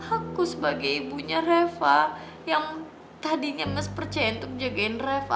aku sebagai ibunya reva yang tadinya mas percaya untuk jagain reva